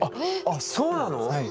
そうなの！